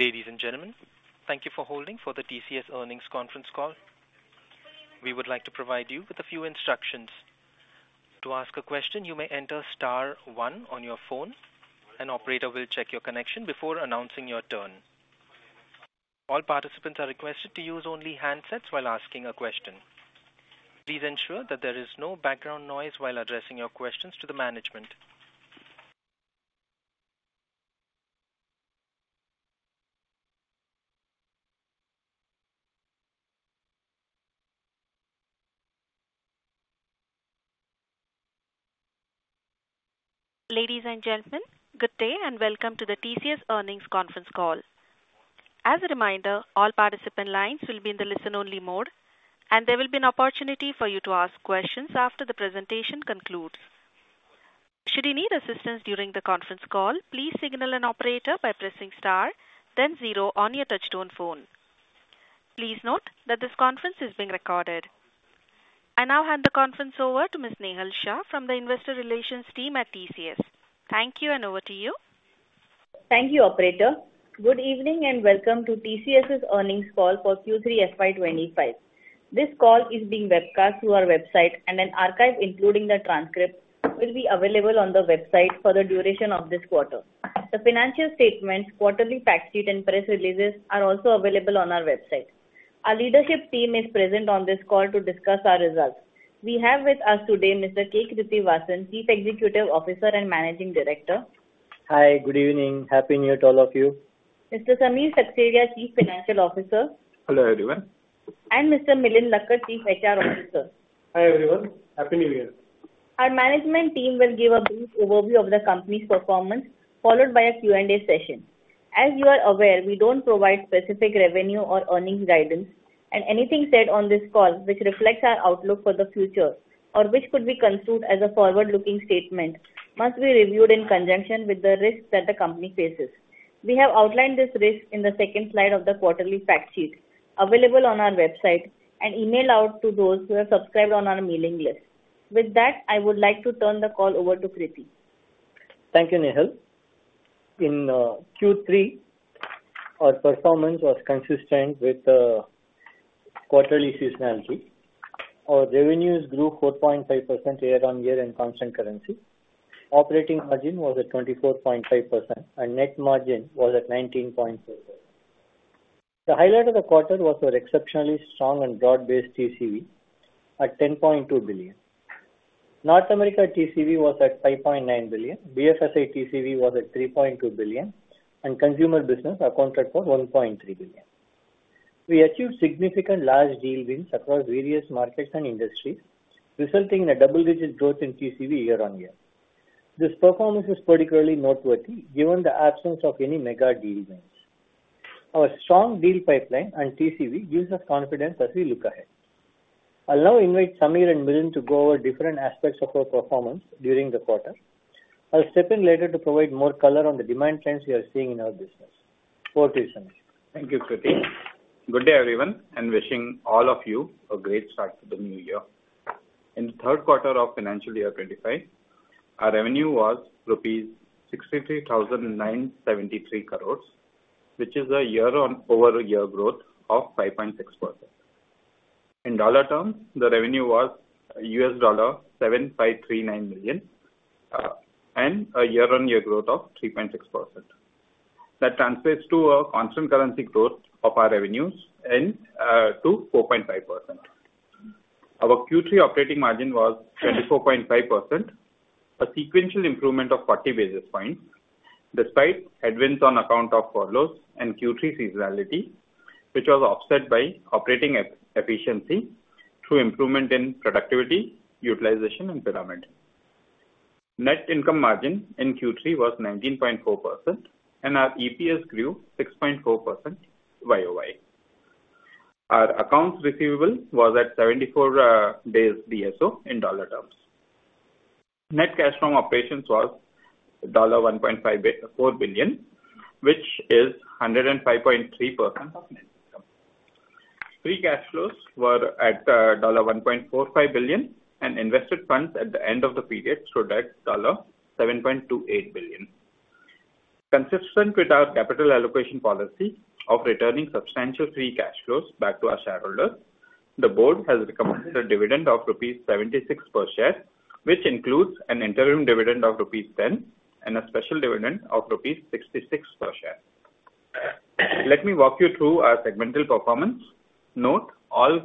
Ladies and gentlemen, thank you for holding for the TCS Earnings Conference call. We would like to provide you with a few instructions. To ask a question, you may enter * 1 on your phone, and the operator will check your connection before announcing your turn. All participants are requested to use only handsets while asking a question. Please ensure that there is no background noise while addressing your questions to the management. Ladies and gentlemen, good day and welcome to the TCS Earnings Conference call. As a reminder, all participant lines will be in the listen-only mode, and there will be an opportunity for you to ask questions after the presentation concludes. Should you need assistance during the conference call, please signal an operator by pressing *, then 0 on your touch-tone phone. Please note that this conference is being recorded. I now hand the conference over to Ms. Nehal Shah from the Investor Relations Team at TCS. Thank you, and over to you. Thank you, operator. Good evening and welcome to TCS's earnings call for Q3 FY25. This call is being webcast through our website, and an archive including the transcript will be available on the website for the duration of this quarter. The financial statements, quarterly factsheet, and press releases are also available on our website. Our leadership team is present on this call to discuss our results. We have with us today Mr. K. Krithivasan, Chief Executive Officer and Managing Director. Hi, good evening. Happy New Year to all of you. Mr. Samir Seksaria, Chief Financial Officer. Hello everyone. Mr. Milind Lakkad, Chief HR Officer. Hi everyone. Happy New Year. Our management team will give a brief overview of the company's performance, followed by a Q&A session. As you are aware, we don't provide specific revenue or earnings guidance, and anything said on this call, which reflects our outlook for the future or which could be construed as a forward-looking statement, must be reviewed in conjunction with the risks that the company faces. We have outlined this risk in the second slide of the quarterly factsheet, available on our website, and emailed out to those who are subscribed on our mailing list. With that, I would like to turn the call over to K. Krithivasan. Thank you, Nehal. In Q3, our performance was consistent with the quarterly seasonality. Our revenues grew 4.5% year-on-year in constant currency. Operating margin was at 24.5%, and net margin was at 19.4%. The highlight of the quarter was our exceptionally strong and broad-based TCV at $10.2 billion. North America TCV was at $5.9 billion. BFSI TCV was at $3.2 billion, and consumer business accounted for $1.3 billion. We achieved significant large deal wins across various markets and industries, resulting in a double-digit growth in TCV year-on-year. This performance is particularly noteworthy given the absence of any mega deal wins. Our strong deal pipeline and TCV gives us confidence as we look ahead. I'll now invite Samir and Milind to go over different aspects of our performance during the quarter. I'll step in later to provide more color on the demand trends we are seeing in our business. Over to you, Samir. Thank you, Krithi. Good day everyone, and wishing all of you a great start to the new year. In the third quarter of financial year 25, our revenue was rupees 63,973 crores, which is a year-on-year growth of 5.6%. In dollar terms, the revenue was $7,539 million and a year-on-year growth of 3.6%. That translates to a constant currency growth of our revenues to 4.5%. Our Q3 operating margin was 24.5%, a sequential improvement of 40 basis points despite headwinds on account of furlough and Q3 seasonality, which was offset by operating efficiency through improvement in productivity, utilization, and pyramid. Net income margin in Q3 was 19.4%, and our EPS grew 6.4% YOY. Our accounts receivable was at 74 days DSO in dollar terms. Net cash from operations was $1.4 billion, which is 105.3% of net income. Free cash flows were at $1.45 billion, and invested funds at the end of the period stood at $7.28 billion. Consistent with our capital allocation policy of returning substantial free cash flows back to our shareholders, the board has recommended a dividend of Rs. 76 per share, which includes an interim dividend of Rs. 10 and a special dividend of Rs. 66 per share. Let me walk you through our segmental performance. Note all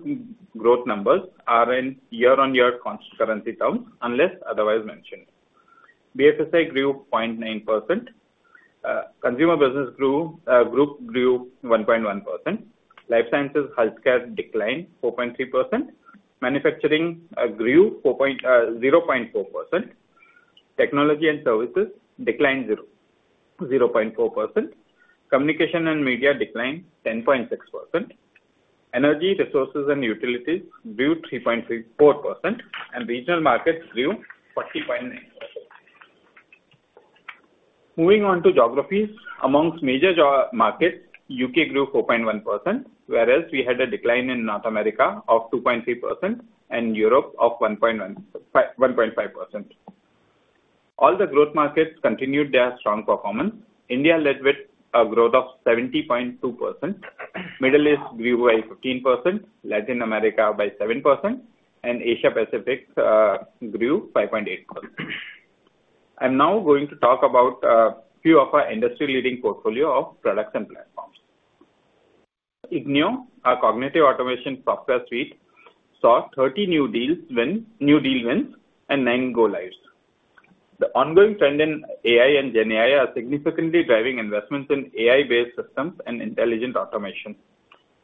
growth numbers are in year-on-year currency terms unless otherwise mentioned. BFSI grew 0.9%. Consumer business group grew 1.1%. Life sciences healthcare declined 4.3%. Manufacturing grew 0.4%. Technology and services declined 0.4%. Communication and media declined 10.6%. Energy resources and utilities grew 3.4%, and regional markets grew 40.9%. Moving on to geographies, among major markets, the UK grew 4.1%, whereas we had a decline in North America of 2.3% and Europe of 1.5%. All the growth markets continued their strong performance. India led with a growth of 70.2%. Middle East grew by 15%, Latin America by 7%, and Asia Pacific grew 5.8%. I'm now going to talk about a few of our industry-leading portfolio of products and platforms. Ignio, our cognitive automation software suite, saw 30 new deal wins and 9 go-lives. The ongoing trend in AI and GenAI is significantly driving investments in AI-based systems and intelligent automation.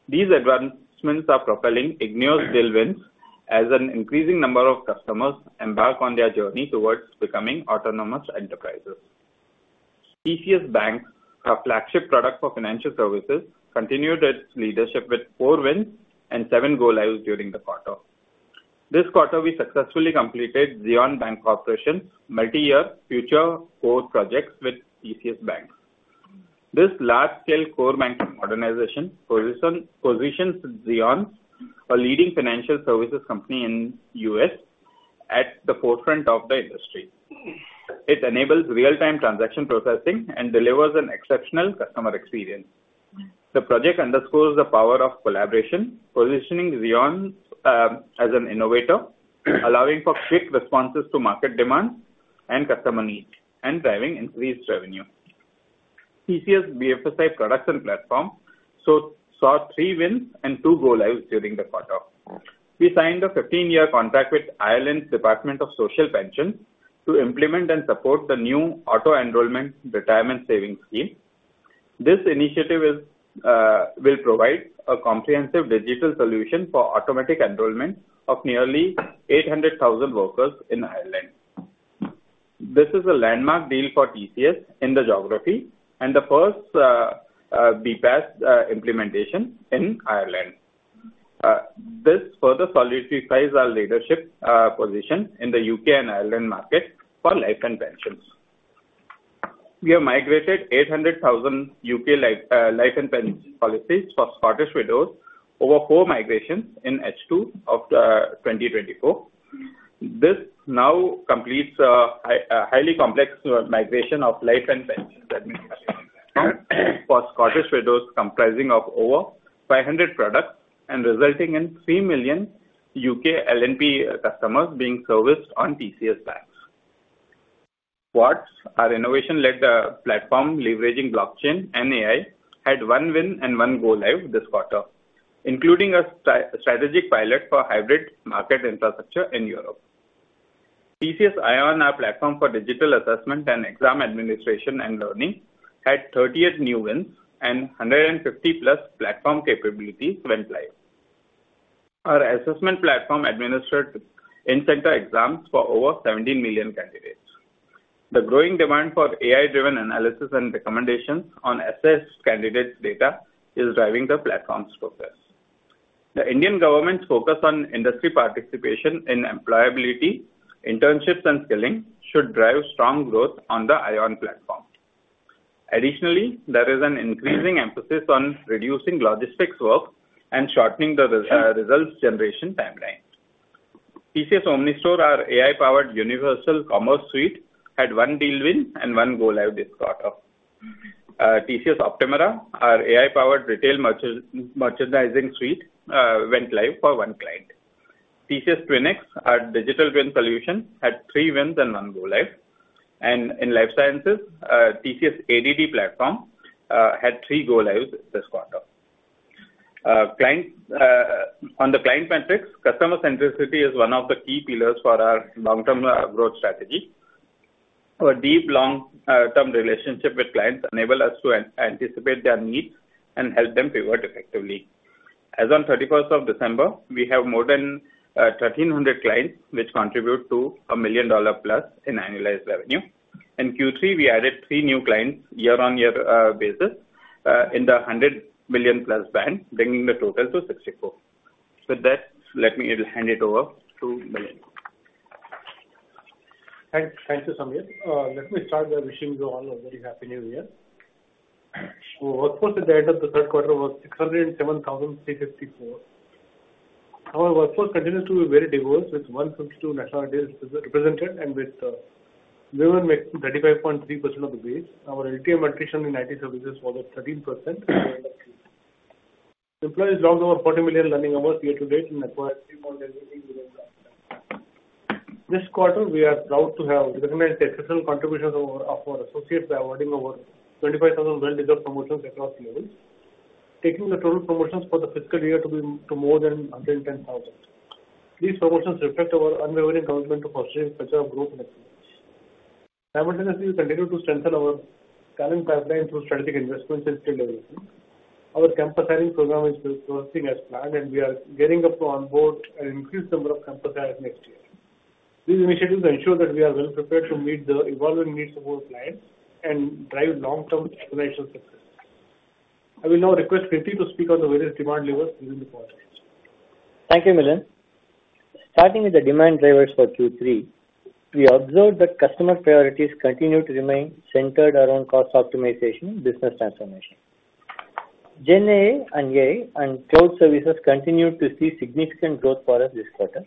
These advancements are propelling Ignio's deal wins as an increasing number of customers embark on their journey towards becoming autonomous enterprises. TCS BaNCS, our flagship product for financial services, continued its leadership with four wins and seven go-lives during the quarter. This quarter, we successfully completed Zions Bancorporation's multi-year future growth projects with TCS BaNCS. This large-scale core banking organization positions Zions Bancorporation, a leading financial services company in the U.S., at the forefront of the industry. It enables real-time transaction processing and delivers an exceptional customer experience. The project underscores the power of collaboration, positioning Zions Bancorporation as an innovator, allowing for quick responses to market demands and customer needs, and driving increased revenue. TCS BaNCS products and platforms saw three wins and two go-lives during the quarter. We signed a 15-year contract with Ireland's Department of Social Protection to implement and support the new auto-enrollment retirement savings scheme. This initiative will provide a comprehensive digital solution for automatic enrollment of nearly 800,000 workers in Ireland. This is a landmark deal for TCS in the geography and the first BPAS implementation in Ireland. This further solidifies our leadership position in the UK and Ireland market for life and pensions. We have migrated 800,000 UK life and pensions policies for Scottish Widows over four migrations in H2 of 2024. This now completes a highly complex migration of life and pensions for Scottish Widows, comprising of over 500 products and resulting in 3 million UK LNP customers being serviced on TCS BaNCS. Quartz, our innovation-led platform leveraging blockchain and AI, had one win and one go-live this quarter, including a strategic pilot for hybrid market infrastructure in Europe. TCS iON, our platform for digital assessment and exam administration and learning, had 38 new wins and 150 plus platform capabilities went live. Our assessment platform administered in-center exams for over 17 million candidates. The growing demand for AI-driven analysis and recommendations on assessed candidates' data is driving the platform's progress. The Indian government's focus on industry participation in employability, internships, and skilling should drive strong growth on the iON platform. Additionally, there is an increasing emphasis on reducing logistics work and shortening the results generation timeline. TCS OmniStore, our AI-powered universal commerce suite, had one deal win and one go-live this quarter. TCS Optumera, our AI-powered retail merchandising suite, went live for one client. TCS TwinX, our digital twin solution, had three wins and one go-live. And in life sciences, TCS ADD platform had three go-lives this quarter. On the client metrics, customer centricity is one of the key pillars for our long-term growth strategy. Our deep long-term relationship with clients enables us to anticipate their needs and help them pivot effectively. As of 31st of December, we have more than 1,300 clients which contribute to $1 million plus in annualized revenue. In Q3, we added three new clients year-on-year basis in the $100 million plus band, bringing the total to 64. With that, let me hand it over to Milind. Thank you, Samir. Let me start by wishing you all a very happy new year. Our workforce at the end of the third quarter was 607,354. Our workforce continues to be very diverse with 152 nationalities represented and with women making up 35.3% of our workforce. Our LTM attrition in IT services was at 13% at the end of Q3. Employees logged over 40 million learning hours year-to-date and upskilled 3.8 million learners. This quarter, we are proud to have recognized the exceptional contributions of our associates by awarding over 25,000 well-deserved promotions across levels, taking the total promotions for the fiscal year to more than 110,000. These promotions reflect our unwavering commitment to fostering future growth and excellence. Simultaneously, we continue to strengthen our talent pipeline through strategic investments and skill development. Our campus hiring program is progressing as planned, and we are gearing up to onboard an increased number of campus hires next year. These initiatives ensure that we are well-prepared to meet the evolving needs of our clients and drive long-term organizational success. I will now request Krithi to speak on the various demand levels during the quarter. Thank you, Milind. Starting with the demand drivers for Q3, we observed that customer priorities continue to remain centered around cost optimization and business transformation. GenAI and AI and cloud services continue to see significant growth for us this quarter.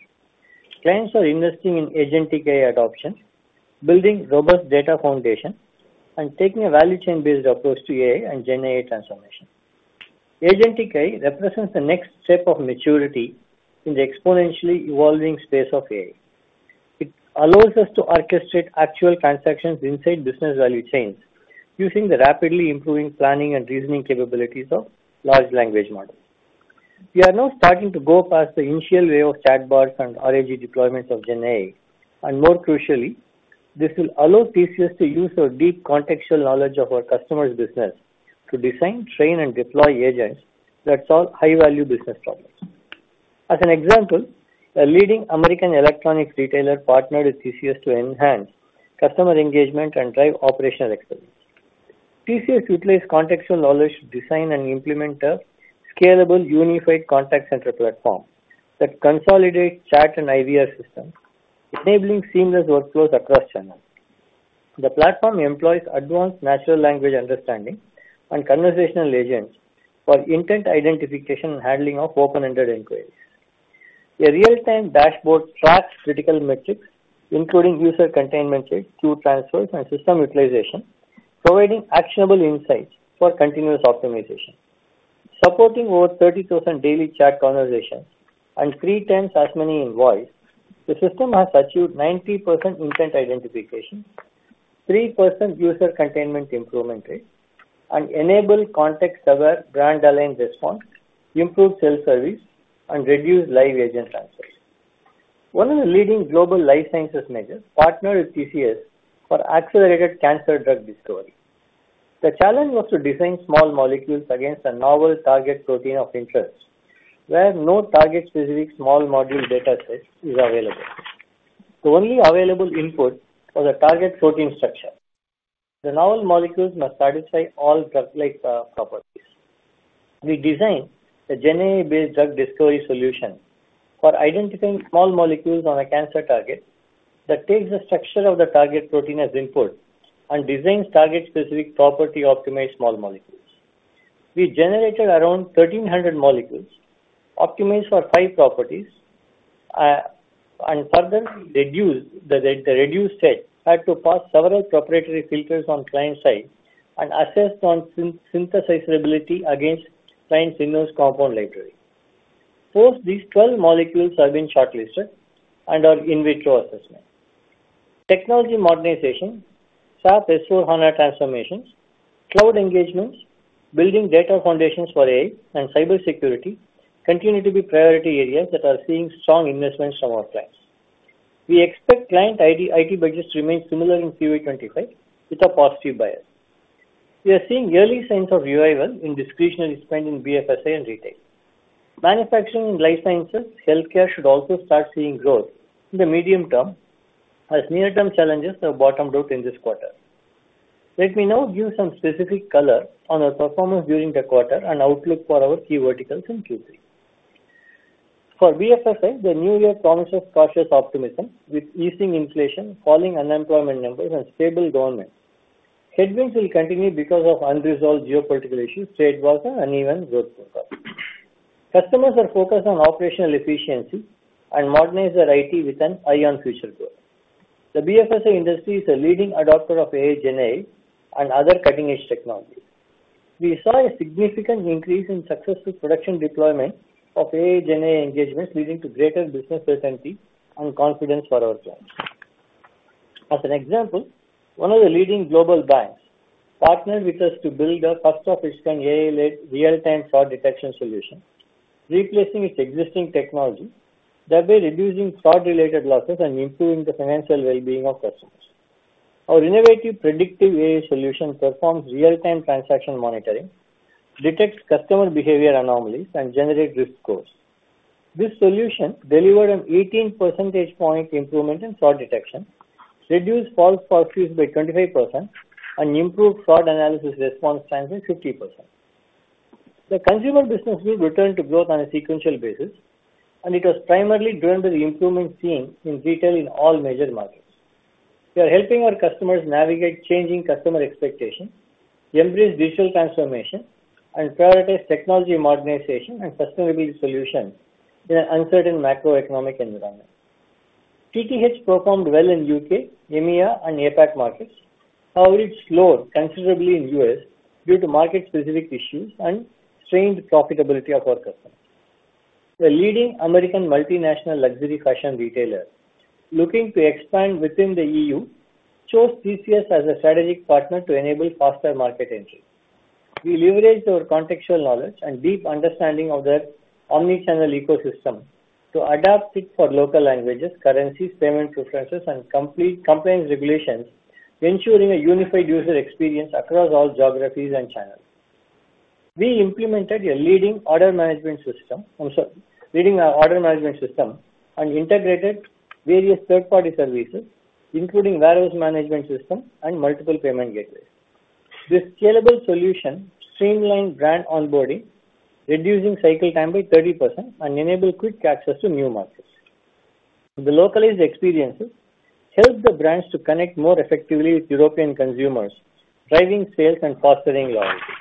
Clients are investing in agentic AI adoption, building robust data foundation, and taking a value chain-based approach to AI and GenAI transformation. Agentic AI represents the next step of maturity in the exponentially evolving space of AI. It allows us to orchestrate actual transactions inside business value chains using the rapidly improving planning and reasoning capabilities of large language models. We are now starting to go past the initial wave of chatbots and RAG deployments of GenAI, and more crucially, this will allow TCS to use our deep contextual knowledge of our customers' business to design, train, and deploy agents that solve high-value business problems. As an example, a leading American electronics retailer partnered with TCS to enhance customer engagement and drive operational excellence. TCS utilized contextual knowledge to design and implement a scalable unified contact center platform that consolidates chat and IVR systems, enabling seamless workflows across channels. The platform employs advanced natural language understanding and conversational agents for intent identification and handling of open-ended inquiries. A real-time dashboard tracks critical metrics, including user containment rate, queue transfers, and system utilization, providing actionable insights for continuous optimization. Supporting over 30,000 daily chat conversations and three times as many invoices, the system has achieved 90% intent identification, 3% user containment improvement rate, and enabled contact-savvy brand aligned response, improved self-service, and reduced live agent transfers. One of the leading global life sciences majors partnered with TCS for accelerated cancer drug discovery. The challenge was to design small molecules against a novel target protein of interest, where no target-specific small molecule data set is available. The only available input was a target protein structure. The novel molecules must satisfy all drug-like properties. We designed a GenAI-based drug discovery solution for identifying small molecules on a cancer target that takes the structure of the target protein as input and designs target-specific property-optimized small molecules. We generated around 1,300 molecules, optimized for five properties, and further reduced the reduced set. Had to pass several proprietary filters on client-side and assessed on synthesizability against client's in-house compound library. Post these, 12 molecules have been shortlisted and are in vitro assessment. Technology modernization, SaaS S/4HANA transformations, cloud engagements, building data foundations for AI, and cybersecurity continue to be priority areas that are seeing strong investments from our clients. We expect client IT budgets to remain similar in FY25 with a positive bias. We are seeing early signs of revival in discretionary spend in BFSI and retail. Manufacturing in life sciences and healthcare should also start seeing growth in the medium term, as near-term challenges have bottomed out in this quarter. Let me now give some specific color on our performance during the quarter and outlook for our key verticals in Q3. For BFSI, the new year promises cautious optimism with easing inflation, falling unemployment numbers, and stable government. Headwinds will continue because of unresolved geopolitical issues, trade wars, and uneven growth progress. Customers are focused on operational efficiency and modernize their IT with an eye on future growth. The BFSI industry is a leading adopter of AI, GenAI, and other cutting-edge technologies. We saw a significant increase in successful production deployment of AI, GenAI engagements, leading to greater business certainty and confidence for our clients. As an example, one of the leading global banks partnered with us to build a cost-efficient AI-led real-time fraud detection solution, replacing its existing technology, thereby reducing fraud-related losses and improving the financial well-being of customers. Our innovative predictive AI solution performs real-time transaction monitoring, detects customer behavior anomalies, and generates risk scores. This solution delivered an 18 percentage point improvement in fraud detection, reduced false positives by 25%, and improved fraud analysis response time by 50%. The consumer business will return to growth on a sequential basis, and it was primarily driven by the improvements seen in retail in all major markets. We are helping our customers navigate changing customer expectations, embrace digital transformation, and prioritize technology modernization and sustainability solutions in an uncertain macroeconomic environment. TTH performed well in UK, EMEA, and APAC markets. However, it slowed considerably in the U.S., due to market-specific issues and strained profitability of our customers. A leading American multinational luxury fashion retailer looking to expand within the EU chose TCS as a strategic partner to enable faster market entry. We leveraged our contextual knowledge and deep understanding of their omnichannel ecosystem to adapt it for local languages, currencies, payment preferences, and compliance regulations, ensuring a unified user experience across all geographies and channels. We implemented a leading order management system and integrated various third-party services, including warehouse management systems and multiple payment gateways. This scalable solution streamlined brand onboarding, reducing cycle time by 30%, and enabled quick access to new markets. The localized experiences helped the brands to connect more effectively with European consumers, driving sales and fostering loyalty.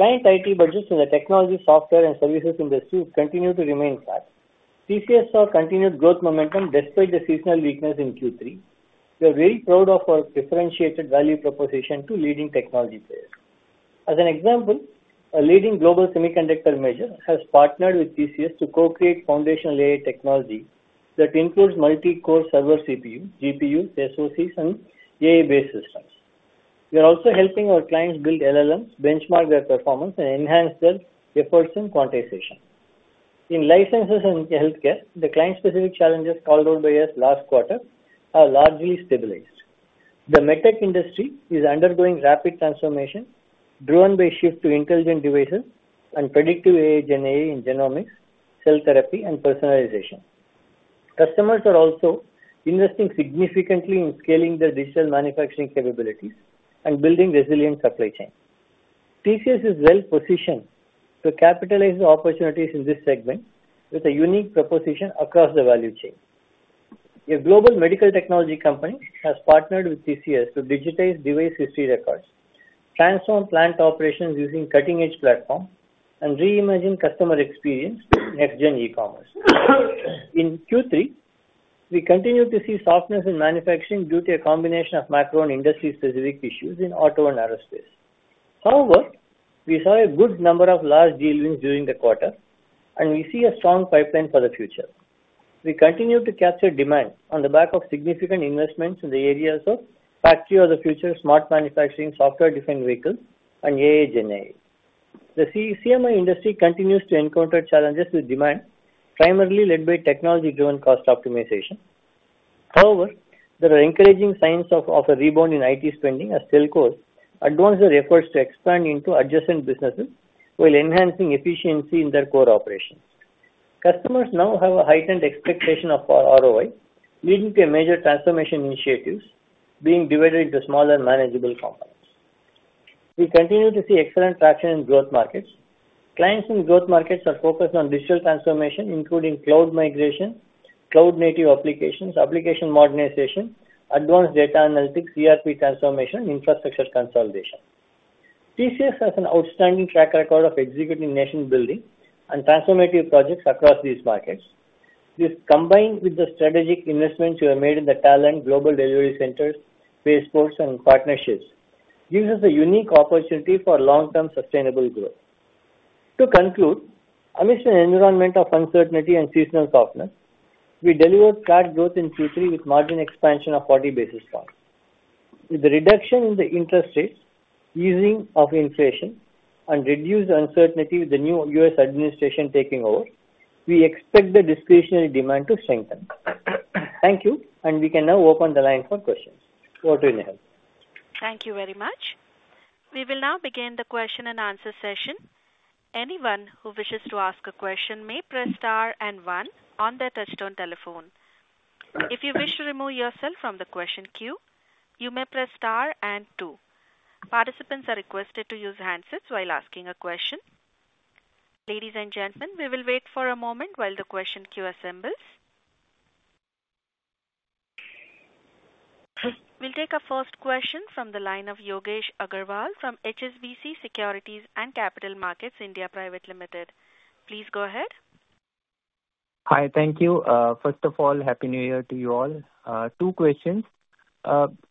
Client IT budgets in the technology, software, and services industry continue to remain flat. TCS saw continued growth momentum despite the seasonal weakness in Q3. We are very proud of our differentiated value proposition to leading technology players. As an example, a leading global semiconductor manufacturer has partnered with TCS to co-create foundational AI technology that includes multi-core server CPUs, GPUs, SoCs, and AI-based systems. We are also helping our clients build LLMs, benchmark their performance, and enhance their efforts in quantization. In life sciences and healthcare, the client-specific challenges called out by us last quarter are largely stabilized. The medtech industry is undergoing rapid transformation, driven by a shift to intelligent devices and predictive AI, GenAI in genomics, cell therapy, and personalization. Customers are also investing significantly in scaling their digital manufacturing capabilities and building resilient supply chains. TCS is well-positioned to capitalize on the opportunities in this segment with a unique proposition across the value chain. A global medical technology company has partnered with TCS to digitize device history records, transform plant operations using cutting-edge platforms, and reimagine customer experience in next-gen e-commerce. In Q3, we continue to see softness in manufacturing due to a combination of macro and industry-specific issues in auto and aerospace. However, we saw a good number of large deal wins during the quarter, and we see a strong pipeline for the future. We continue to capture demand on the back of significant investments in the areas of factory of the future, smart manufacturing, software-defined vehicles, and AI, GenAI. The CMI industry continues to encounter challenges with demand, primarily led by technology-driven cost optimization. However, there are encouraging signs of a rebound in IT spending as telcos advance their efforts to expand into adjacent businesses while enhancing efficiency in their core operations. Customers now have a heightened expectation of ROI, leading to major transformation initiatives being divided into smaller manageable components. We continue to see excellent traction in growth markets. Clients in growth markets are focused on digital transformation, including cloud migration, cloud-native applications, application modernization, advanced data analytics, ERP transformation, and infrastructure consolidation. TCS has an outstanding track record of executing nation-building and transformative projects across these markets. This combined with the strategic investments we have made in talent, global delivery centers, and partnerships gives us a unique opportunity for long-term sustainable growth. To conclude, amidst an environment of uncertainty and seasonal softness, we delivered solid growth in Q3 with margin expansion of 40 basis points. With the reduction in the interest rates, easing of inflation, and reduced uncertainty with the new U.S., administration taking over, we expect the discretionary demand to strengthen. Thank you, and we can now open the line for questions. Over to you, Nehal. Thank you very much. We will now begin the question and answer session. Anyone who wishes to ask a question may press * and one on their touch-tone telephone. If you wish to remove yourself from the question queue, you may press * and two. Participants are requested to use handsets while asking a question. Ladies and gentlemen, we will wait for a moment while the question queue assembles. We'll take our first question from the line of Yogesh Aggarwal from HSBC Securities and Capital Markets, India Private Limited. Please go ahead. Hi, thank you. First of all, happy New Year to you all. Two questions.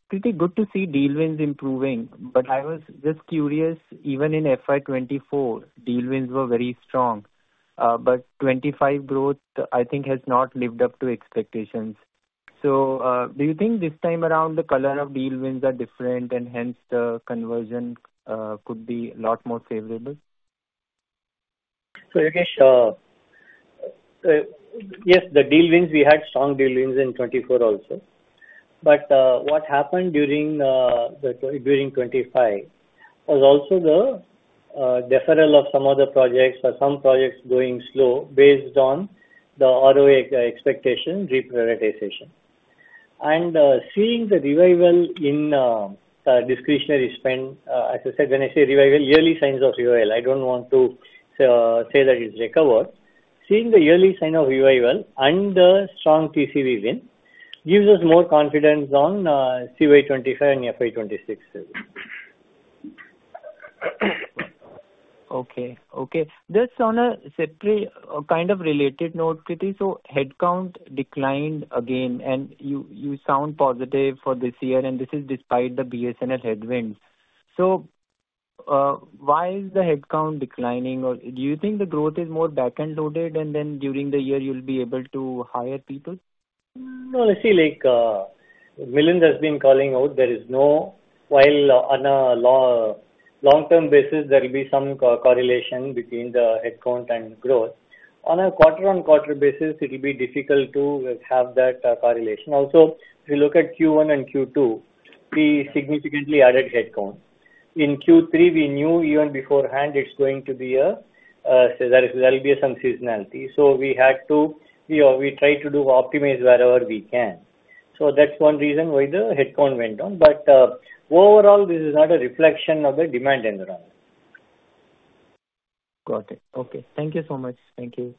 Pretty good to see deal wins improving, but I was just curious, even in FY24, deal wins were very strong, but '25 growth, I think, has not lived up to expectations. So do you think this time around the color of deal wins are different, and hence the conversion could be a lot more favorable? So, Yogesh, yes, the deal wins. We had strong deal wins in 2024 also. But what happened during 2025 was also the deferral of some of the projects or some projects going slow based on the ROI expectation reprioritization. And seeing the revival in discretionary spend, as I said, when I say revival, early signs of revival, I don't want to say that it's recovered. Seeing the early sign of revival and the strong TCV win gives us more confidence on CY25 and FY26. Okay. Just on a separate kind of related note, Krithivasan, so headcount declined again, and you sound positive for this year, and this is despite the BSNL headwinds. So why is the headcount declining? Do you think the growth is more back-end loaded, and then during the year you'll be able to hire people? No, I see like Milind has been calling out there is no, while on a long-term basis, there will be some correlation between the headcount and growth. On a quarter-on-quarter basis, it will be difficult to have that correlation. Also, if you look at Q1 and Q2, we significantly added headcount. In Q3, we knew even beforehand it's going to be, there'll be some seasonality. So we had to, we tried to optimize wherever we can. So that's one reason why the headcount went down. But overall, this is not a reflection of the demand environment. Got it. Okay. Thank you so much. Thank you.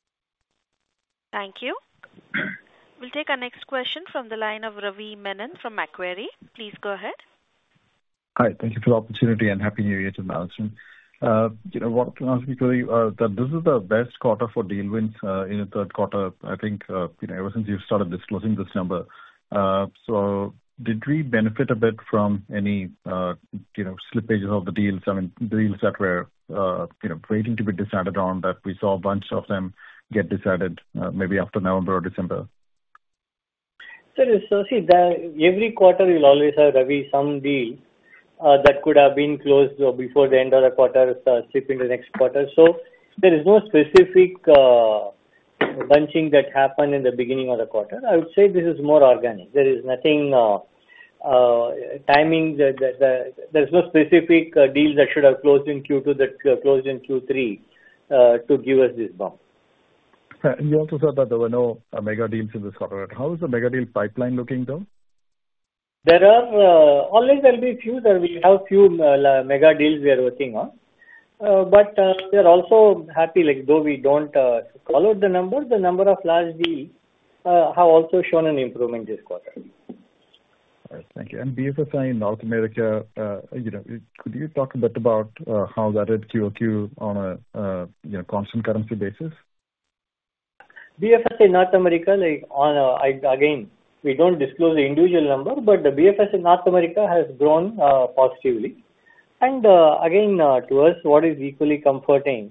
Thank you. We'll take our next question from the line of Ravi Menon from Macquarie. Please go ahead. Hi. Thank you for the opportunity and happy New Year to you, Nehal. I want to ask you, Krithivasan. This is the best quarter for deal wins in the third quarter, I think, ever since you started disclosing this number. So did we benefit a bit from any slippages of the deals, I mean, deals that were waiting to be decided on that we saw a bunch of them get decided maybe after November or December? So every quarter, you'll always have at least some deal that could have been closed before the end of the quarter, slipped into the next quarter. So there is no specific bunching that happened in the beginning of the quarter. I would say this is more organic. There is nothing in the timing that there's no specific deal that should have closed in Q2 that closed in Q3 to give us this bump. You also said that there were no mega deals in this quarter. How is the mega deal pipeline looking, though? There are always there'll be a few that we have a few mega deals we are working on, but we are also happy, though we don't follow the number of large deals have also shown an improvement this quarter. All right. Thank you. And BFSI in North America, could you talk a bit about how that is QOQ on a constant currency basis? BFSI North America, again, we don't disclose the individual number, but the BFSI North America has grown positively. And again, to us, what is equally comforting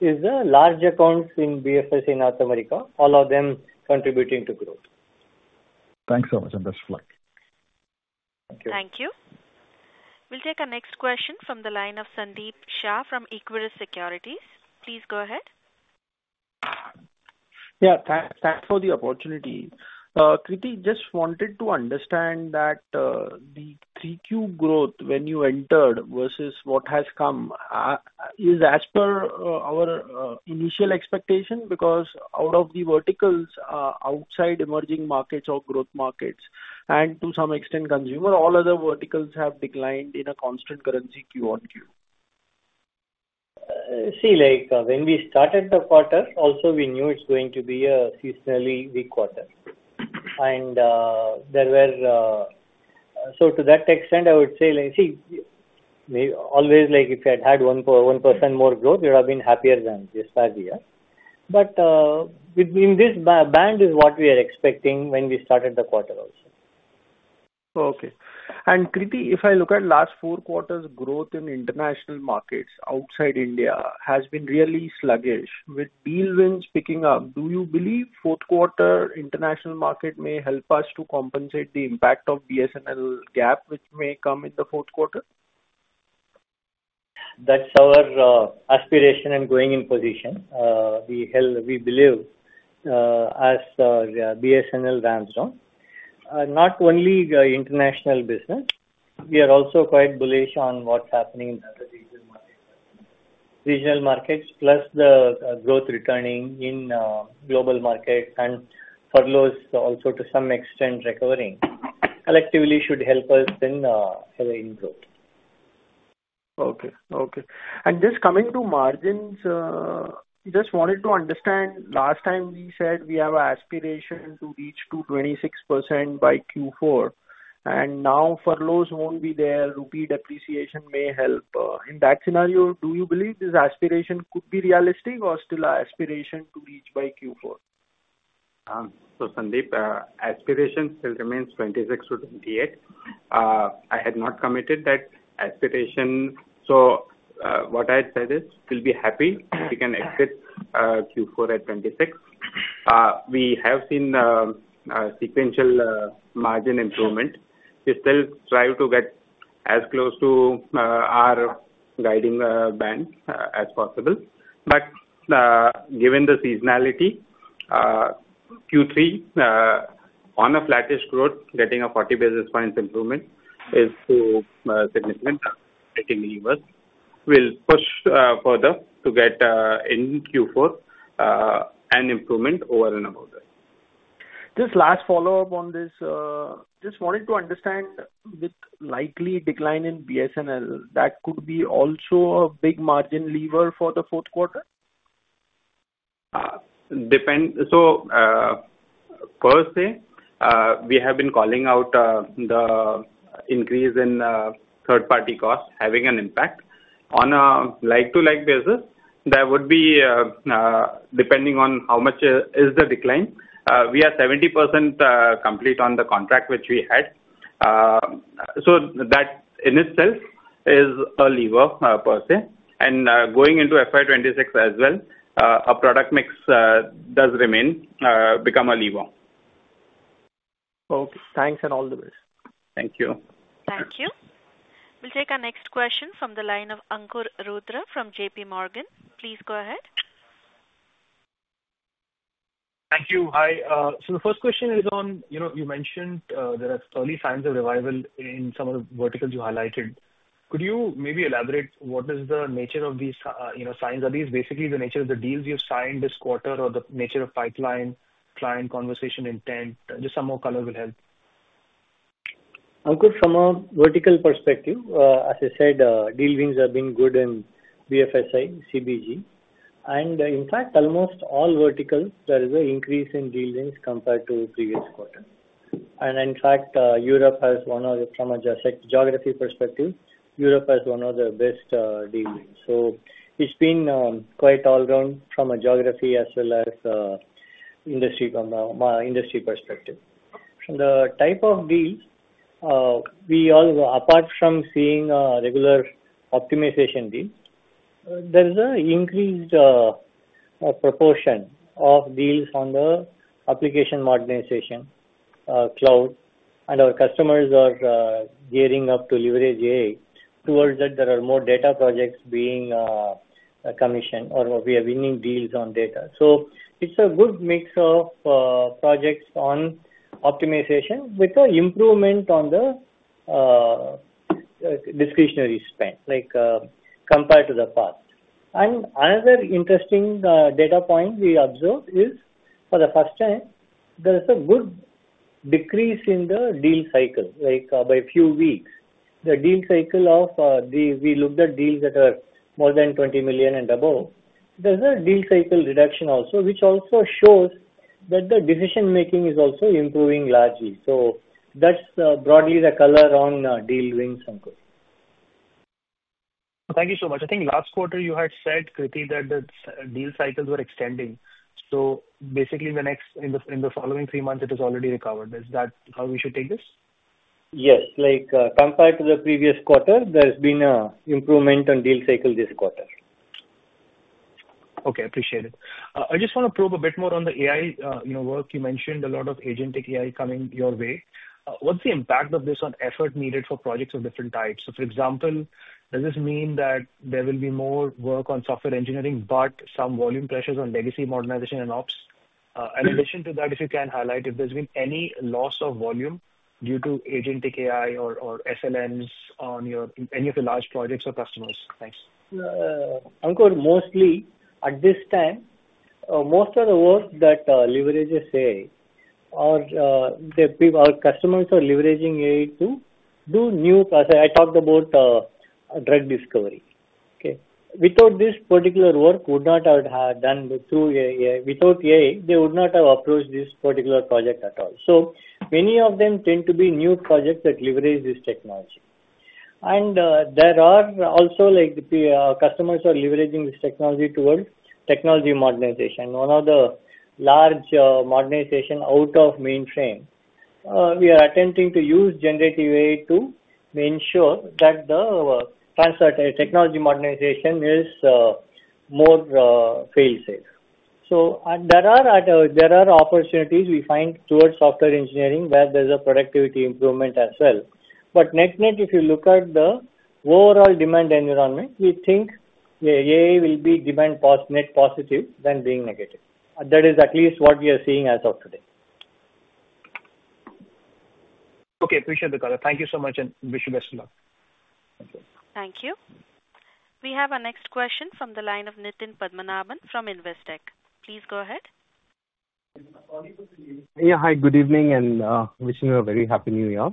is the large accounts in BFSI North America, all of them contributing to growth. Thanks so much. And best of luck. Thank you. Thank you. We'll take our next question from the line of Sandeep Shah from Equirus Securities. Please go ahead. Yeah. Thanks for the opportunity. Krithi, just wanted to understand that the 3Q growth when you entered versus what has come is as per our initial expectation because out of the verticals outside emerging markets or growth markets and to some extent consumer, all other verticals have declined in a constant currency Q on Q. See, when we started the quarter, also we knew it's going to be a seasonally weak quarter, and so to that extent, I would say, see, always if you had had 1% more growth, you would have been happier than just last year, but in this band is what we are expecting when we started the quarter also. Okay. And Krithivasan, if I look at last four quarters' growth in international markets outside India has been really sluggish with deal wins picking up, do you believe fourth quarter international market may help us to compensate the impact of BSNL gap which may come in the fourth quarter? That's our aspiration and going in position. We believe as BSNL ramps down, not only international business, we are also quite bullish on what's happening in other regional markets. Regional markets plus the growth returning in global markets and furloughs also to some extent recovering collectively should help us in growth. Okay. Okay. And just coming to margins, just wanted to understand last time we said we have an aspiration to reach to 26% by Q4, and now furloughs won't be there, rupee depreciation may help. In that scenario, do you believe this aspiration could be realistic or still an aspiration to reach by Q4? So, Sandeep, aspiration still remains 26%-28%. I had not committed that aspiration. So what I'd say is we'll be happy if we can exit Q4 at 26%. We have seen sequential margin improvement. We still try to get as close to our guiding band as possible. But given the seasonality, Q3 on a flattish growth, getting a 40 basis points improvement is too significant to continue with. We'll push further to get in Q4 an improvement over and above that. Just last follow-up on this. Just wanted to understand with likely decline in BSNL, that could be also a big margin lever for the fourth quarter? So per se, we have been calling out the increase in third-party costs having an impact. On a like-for-like basis, there would be, depending on how much is the decline. We are 70% complete on the contract which we had. So that in itself is a lever per se, and going into FY26 as well, a product mix does remain become a lever. Okay. Thanks and all the best. Thank you. Thank you. We'll take our next question from the line of Ankur Rudra from JP Morgan. Please go ahead. Thank you. Hi. So the first question is on, you mentioned there are early signs of revival in some of the verticals you highlighted. Could you maybe elaborate what is the nature of these signs? Are these basically the nature of the deals you've signed this quarter or the nature of pipeline, client conversation intent? Just some more color will help. Ankur, from a vertical perspective, as I said, deal wins have been good in BFSI, CBG. And in fact, almost all verticals, there is an increase in deal wins compared to previous quarter. And in fact, from a geography perspective, Europe has one of the best deal wins. So it's been quite all-round from a geography as well as industry perspective. From the type of deals, we also, apart from seeing regular optimization deals, there is an increased proportion of deals on the application modernization cloud. And our customers are gearing up to leverage AI toward that. There are more data projects being commissioned or we are winning deals on data. So it's a good mix of projects on optimization with an improvement on the discretionary spend compared to the past. Another interesting data point we observed is for the first time, there is a good decrease in the deal cycle by a few weeks. The deal cycle. We looked at deals that are more than $20 million and above. There's a deal cycle reduction also, which also shows that the decision-making is also improving largely. That's broadly the color on deal wins, Ankur. Thank you so much. I think last quarter you had said, Krithi, that the deal cycles were extending. So basically, in the following three months, it has already recovered. Is that how we should take this? Yes. Compared to the previous quarter, there's been an improvement on deal cycle this quarter. Okay. Appreciate it. I just want to probe a bit more on the AI work. You mentioned a lot of agentic AI coming your way. What's the impact of this on effort needed for projects of different types? So for example, does this mean that there will be more work on software engineering, but some volume pressures on legacy modernization and ops? In addition to that, if you can highlight if there's been any loss of volume due to agentic AI or SLMs on any of the large projects or customers? Thanks. Ankur, mostly at this time, most of the work that leverages AI or our customers are leveraging AI to do new. I talked about drug discovery. Okay. Without this particular work, would not have done without AI, they would not have approached this particular project at all. So many of them tend to be new projects that leverage this technology. And there are also customers who are leveraging this technology towards technology modernization. One of the large modernization out of mainframe, we are attempting to use generative AI to ensure that the technology modernization is more fail-safe. So there are opportunities we find towards software engineering where there's a productivity improvement as well. But net net, if you look at the overall demand environment, we think AI will be net positive than being negative. That is at least what we are seeing as of today. Okay. Appreciate the color. Thank you so much and wish you best of luck. Thank you. Thank you. We have our next question from the line of Nitin Padmanabhan from Investec. Please go ahead. Yeah. Hi. Good evening, and wishing you a very happy New Year.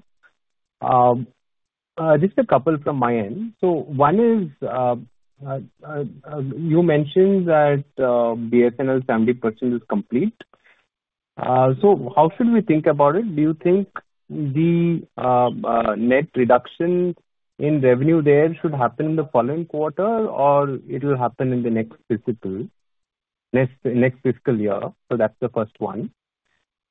Just a couple from my end. So one is you mentioned that BSNL 70% is complete. So how should we think about it? Do you think the net reduction in revenue there should happen in the following quarter or it will happen in the next fiscal year? So that's the first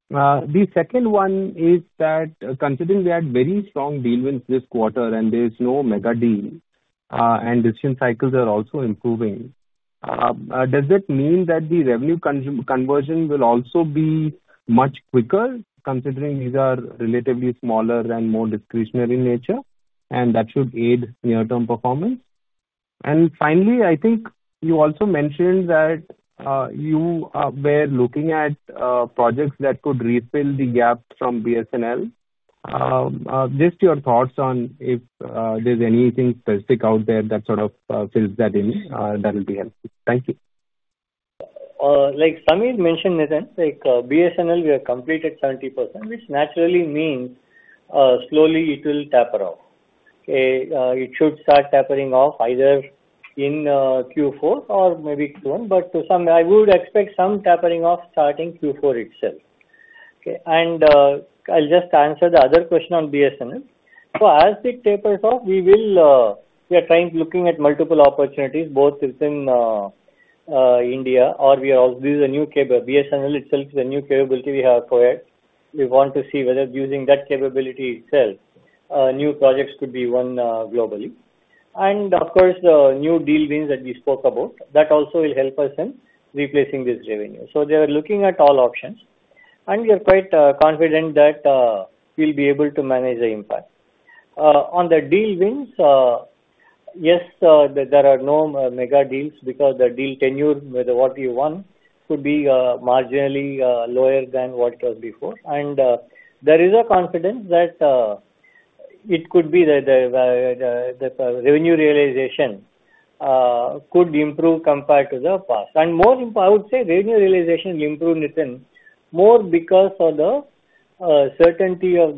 one. The second one is that considering we had very strong deal wins this quarter and there's no mega deal and decision cycles are also improving, does that mean that the revenue conversion will also be much quicker considering these are relatively smaller and more discretionary in nature and that should aid near-term performance? And finally, I think you also mentioned that you were looking at projects that could fill the gap from BSNL. Just your thoughts on if there's anything specific out there that sort of fills that in, that'll be helpful. Thank you. Like Samir mentioned, Nitin, BSNL, we have completed 70%, which naturally means slowly it will taper off. It should start tapering off either in Q4 or maybe Q1, but I would expect some tapering off starting Q4 itself. Okay. I'll just answer the other question on BSNL. So as it tapers off, we are trying to look at multiple opportunities both within India or we are also. This is a new capability we have for it. BSNL itself is a new capability we have for it. We want to see whether using that capability itself, new projects could be won globally. And of course, the new deal wins that we spoke about, that also will help us in replacing this revenue. So they are looking at all options. And we are quite confident that we'll be able to manage the impact. On the deal wins, yes, there are no mega deals because the deal tenure with what you won could be marginally lower than what it was before. And there is a confidence that it could be that the revenue realization could improve compared to the past. And I would say revenue realization will improve, Nitin, more because of the certainty, as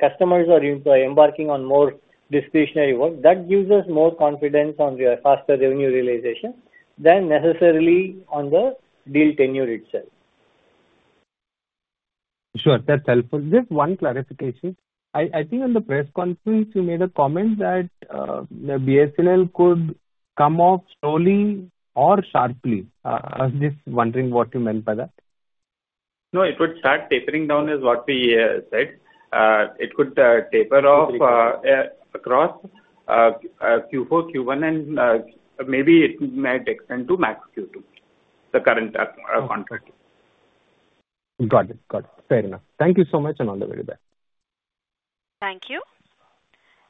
customers are embarking on more discretionary work, that gives us more confidence on the faster revenue realization than necessarily on the deal tenure itself. Sure. That's helpful. Just one clarification. I think in the press conference, you made a comment that BSNL could come off slowly or sharply. I was just wondering what you meant by that. No, it would start tapering down is what we said. It could taper off across Q4, Q1, and maybe it might extend to max Q2, the current contract. Got it. Got it. Fair enough. Thank you so much and all the very best. Thank you.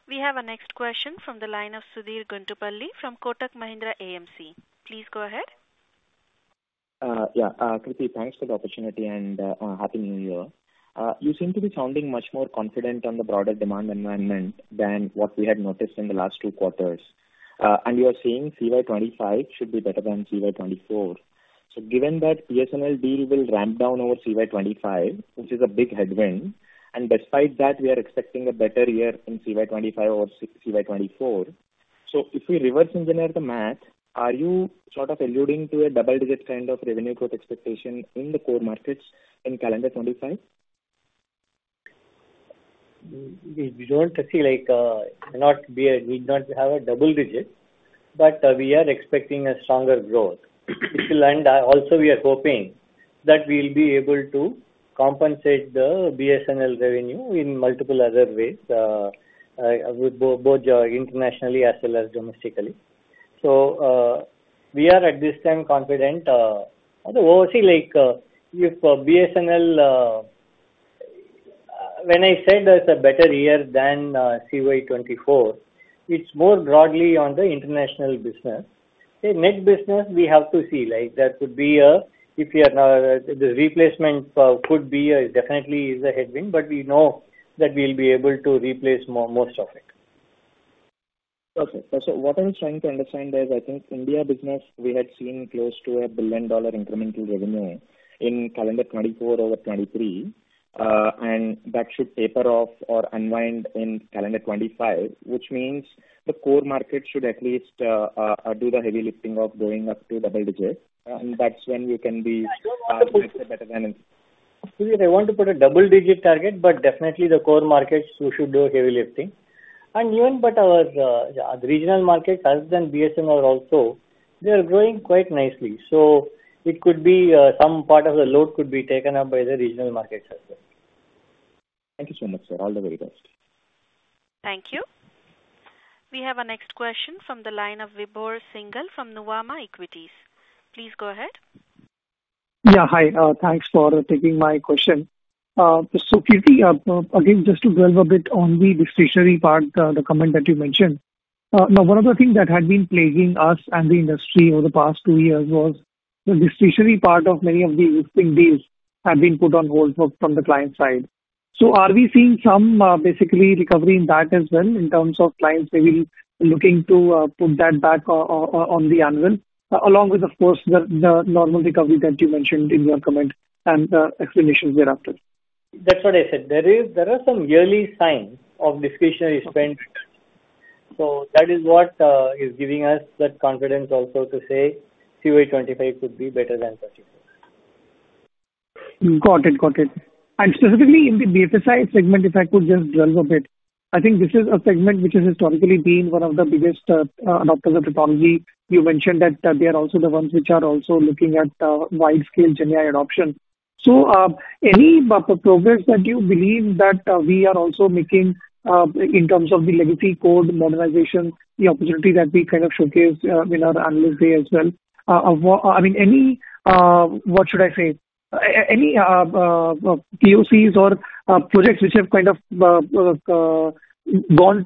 We have our next question from the line of Sudhir Guntapalli from Kotak Mahindra AMC. Please go ahead. Yeah. Krithivasan, thanks for the opportunity and happy New Year. You seem to be sounding much more confident on the broader demand environment than what we had noticed in the last two quarters, and you are saying CY25 should be better than CY24, so given that BSNL deal will ramp down over CY25, which is a big headwind, and despite that, we are expecting a better year in CY25 or CY24, so if we reverse engineer the math, are you sort of alluding to a double-digit kind of revenue growth expectation in the core markets in calendar '25? We don't see like we need not have a double digit, but we are expecting a stronger growth. Also, we are hoping that we'll be able to compensate the BSNL revenue in multiple other ways, both internationally as well as domestically. We are at this time confident. The overseas, if BSNL, when I said there's a better year than CY24, it's more broadly on the international business. New business, we have to see. That could be a if the replacement could be definitely is a headwind, but we know that we'll be able to replace most of it. Okay. What I'm trying to understand is, I think India business, we had seen close to $1 billion incremental revenue in calendar 2024 over 2023. That should taper off or unwind in calendar 2025, which means the core market should at least do the heavy lifting of going up to double digit. That's when we can be better than it. I want to put a double-digit target, but definitely the core markets should do heavy lifting. And even but our regional markets other than BSNL also, they are growing quite nicely. So it could be some part of the load could be taken up by the regional markets as well. Thank you so much, sir. All the very best. Thank you. We have our next question from the line of Vibhor Singhal from Nuvama Equities. Please go ahead. Yeah. Hi. Thanks for taking my question. So Krithi, again, just to dwell a bit on the discretionary part, the comment that you mentioned. Now, one of the things that had been plaguing us and the industry over the past two years was the discretionary part of many of the existing deals had been put on hold from the client side. So are we seeing some basically recovery in that as well in terms of clients maybe looking to put that back on the anvil along with, of course, the normal recovery that you mentioned in your comment and the explanations thereafter? That's what I said. There are some early signs of discretionary spend. So that is what is giving us that confidence also to say CY25 could be better than 2024. Got it. Got it. And specifically in the BFSI segment, if I could just dwell a bit, I think this is a segment which has historically been one of the biggest adopters of technology. You mentioned that they are also the ones which are also looking at wide-scale Gen AI adoption. So any progress that you believe that we are also making in terms of the legacy code modernization, the opportunity that we kind of showcased in our analysis day as well? I mean, what should I say? Any POCs or projects which have kind of gone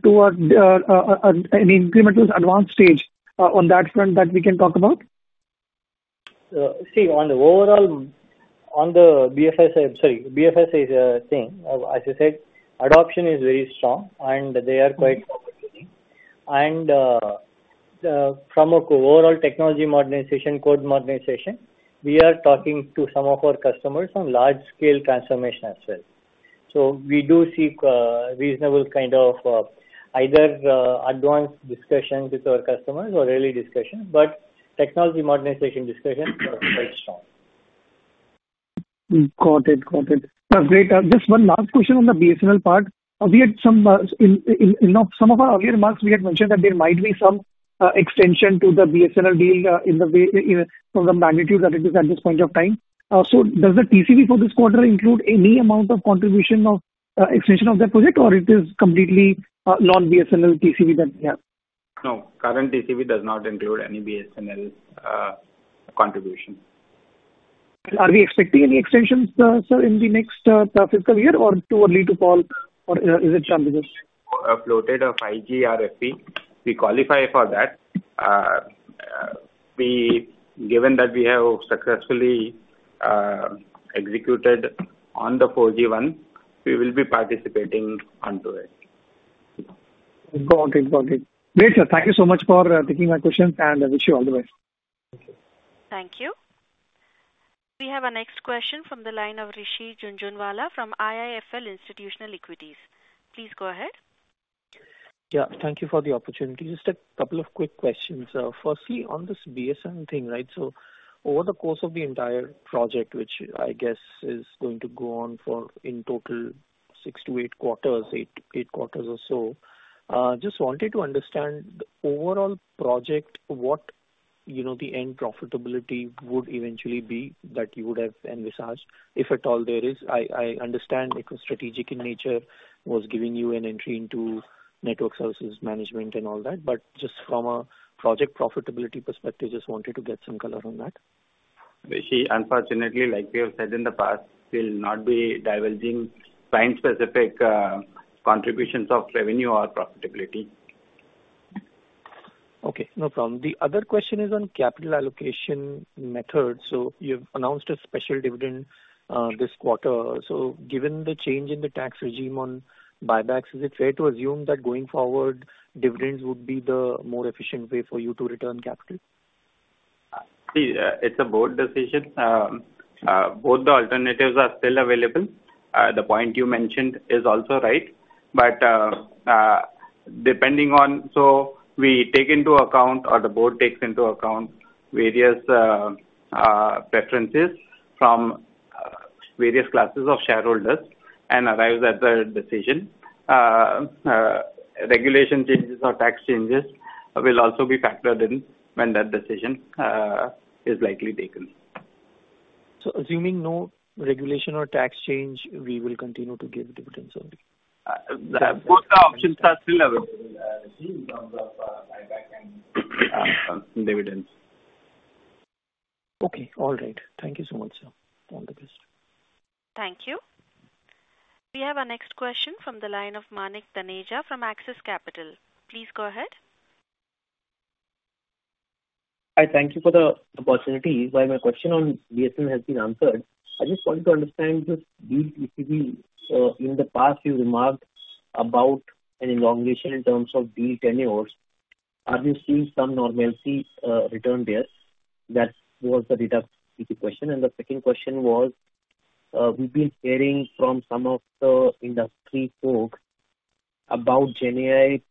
toward an incremental advance stage on that front that we can talk about? See, on the overall, on the BFSI, sorry, BFSI thing, as I said, adoption is very strong and they are quite opportunity, and from an overall technology modernization, code modernization, we are talking to some of our customers on large-scale transformation as well, so we do see reasonable kind of either advanced discussions with our customers or early discussions, but technology modernization discussions are quite strong. Got it. Got it. Great. Just one last question on the BSNL part. In some of our earlier remarks, we had mentioned that there might be some extension to the BSNL deal from the magnitude that it is at this point of time. So does the TCV for this quarter include any amount of contribution of extension of the project or it is completely non-BSNL TCV that we have? No. Current TCV does not include any BSNL contribution. Are we expecting any extensions, sir, in the next fiscal year or too early to call or is it challenging? has been floated. We qualify for that. Given that we have successfully executed on the 4G one, we will be participating in it. Got it. Got it. Great. Thank you so much for taking my questions and wish you all the best. Thank you. Thank you. We have our next question from the line of Rishi Jhunjhunwala from IIFL Institutional Equities. Please go ahead. Yeah. Thank you for the opportunity. Just a couple of quick questions. Firstly, on this BSNL thing, right? So over the course of the entire project, which I guess is going to go on for in total six to eight quarters, eight quarters or so, just wanted to understand the overall project, what the end profitability would eventually be that you would have envisaged, if at all there is. I understand it was strategic in nature, was giving you an entry into network services management and all that. But just from a project profitability perspective, just wanted to get some color on that. Rishi, unfortunately, like we have said in the past, we'll not be divulging client-specific contributions of revenue or profitability. Okay. No problem. The other question is on capital allocation method. So you've announced a special dividend this quarter. So given the change in the tax regime on buybacks, is it fair to assume that going forward, dividends would be the more efficient way for you to return capital? See, it's a bold decision. Both the alternatives are still available. The point you mentioned is also right. But depending on, so we take into account or the board takes into account various preferences from various classes of shareholders and arrives at the decision. Regulation changes or tax changes will also be factored in when that decision is likely taken. Assuming no regulation or tax change, we will continue to give dividends only? Both the options are still available in terms of buyback and dividends. Okay. All right. Thank you so much, sir. All the best. Thank you. We have our next question from the line of Manik Taneja from Axis Capital. Please go ahead. Hi. Thank you for the opportunity. While my question on BSNL has been answered, I just wanted to understand this deal TCV. In the past, you remarked about an elongation in terms of deal tenures. Are you seeing some normalcy return there? That was the lead-up to the question. And the second question was we've been hearing from some of the industry folks about GenAI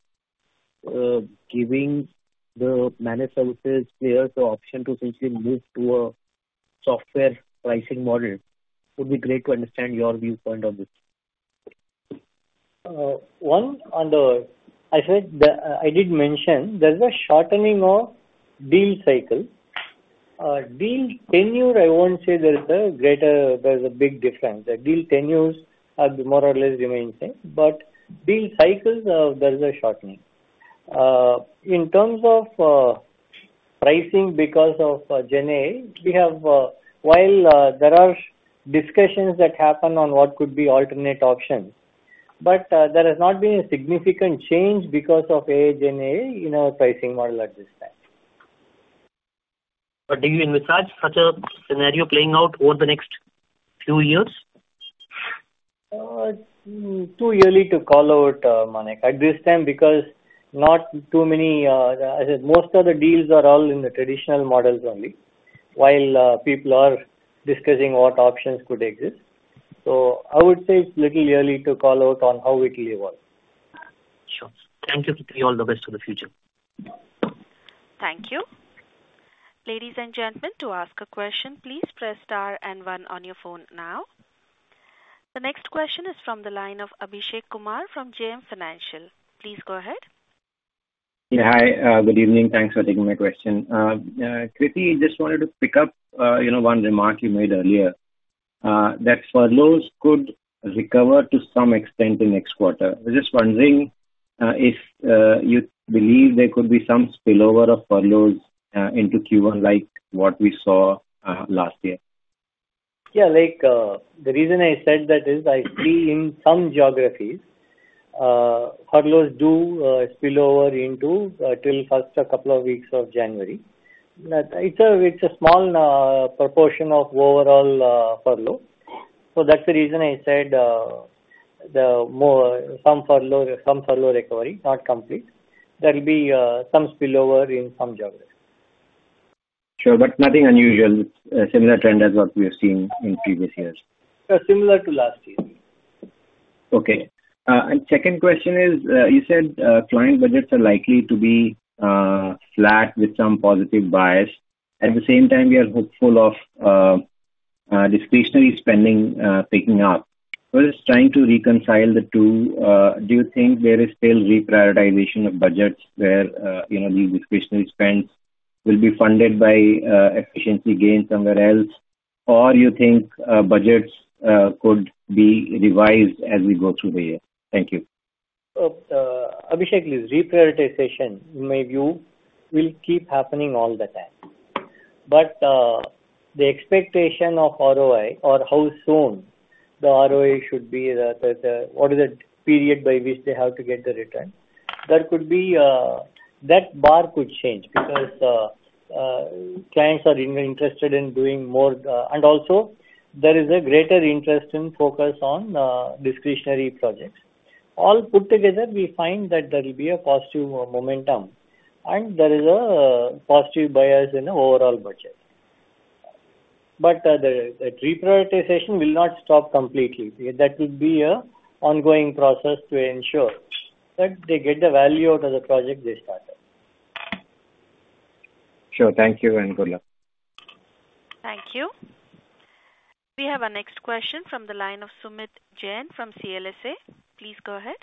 giving the managed services players the option to essentially move to a software pricing model. It would be great to understand your viewpoint on this. One, I said I did mention there's a shortening of deal cycle. Deal tenure, I won't say there's a big difference. Deal tenures have more or less remained the same. But deal cycles, there's a shortening. In terms of pricing because of GenAI, we have while there are discussions that happen on what could be alternate options, but there has not been a significant change because of GenAI in our pricing model at this time. But do you envisage such a scenario playing out over the next few years? Too early to call out, Manik. At this time, because not too many most of the deals are all in the traditional models only, while people are discussing what options could exist. So I would say it's a little early to call out on how it will evolve. Sure. Thank you, Krithivasan. All the best for the future. Thank you. Ladies and gentlemen, to ask a question, please press * and one on your phone now. The next question is from the line of Abhishek Kumar from JM Financial. Please go ahead. Yeah. Hi. Good evening. Thanks for taking my question. Krithi, I just wanted to pick up one remark you made earlier. That furloughs could recover to some extent in next quarter. I was just wondering if you believe there could be some spillover of furloughs into Q1 like what we saw last year. Yeah. The reason I said that is I see in some geographies, furloughs do spill over into the first couple of weeks of January. It's a small proportion of overall furlough. So that's the reason I said some furlough recovery, not complete. There'll be some spillover in some geographies. Sure, but nothing unusual. Similar trend as what we have seen in previous years. Similar to last year. Okay. And second question is you said client budgets are likely to be flat with some positive bias. At the same time, we are hopeful of discretionary spending picking up. Whether it's trying to reconcile the two, do you think there is still reprioritization of budgets where these discretionary spends will be funded by efficiency gains somewhere else, or do you think budgets could be revised as we go through the year? Thank you. Abhishek, reprioritization maybe will keep happening all the time. But the expectation of ROI or how soon the ROI should be, what is the period by which they have to get the return, that bar could change because clients are interested in doing more. And also, there is a greater interest and focus on discretionary projects. All put together, we find that there will be a positive momentum. And there is a positive bias in the overall budget. But the reprioritization will not stop completely. That will be an ongoing process to ensure that they get the value out of the project they started. Sure. Thank you and good luck. Thank you. We have our next question from the line of Sumeet Jain from CLSA. Please go ahead.